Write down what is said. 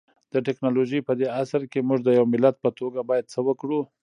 د ټکنالوژۍ پدې عصر کي مونږ د يو ملت په توګه بايد څه وکړو؟